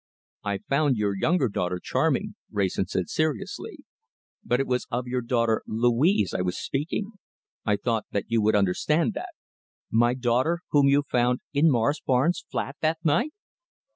"I found your younger daughter charming," Wrayson said seriously, "but it was of your daughter Louise I was speaking. I thought that you would understand that." "My daughter whom you found in Morris Barnes' flat that night?"